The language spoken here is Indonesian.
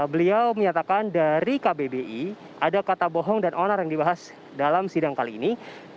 beliau menyatakan dari kbbi ada kata bohong dan onar yang dibahas dalam sidang kali ini